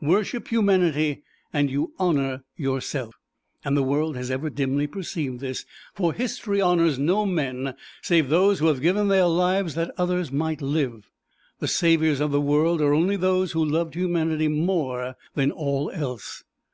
Worship Humanity and you honor yourself. And the world has ever dimly perceived this, for history honors no men save those who have given their lives that others might live. The saviors of the world are only those who loved Humanity more than all else.